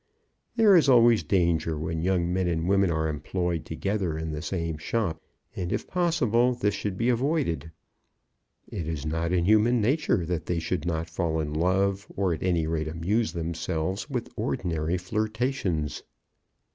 There is always danger when young men and women are employed together in the same shop, and if possible this should be avoided. It is not in human nature that they should not fall in love, or at any rate amuse themselves with ordinary flirtations.